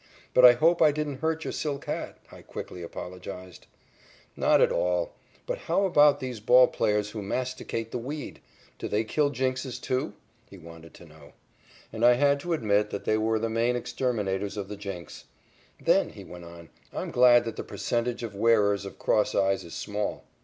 "But I hope I didn't hurt your silk hat," I quickly apologized. "Not at all. But how about these ball players who masticate the weed? Do they kill jinxes, too?" he wanted to know. And I had to admit that they were the main exterminators of the jinx. "Then," he went on, "I'm glad that the percentage of wearers of cross eyes is small."